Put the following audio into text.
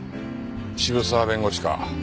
渋沢弁護士か。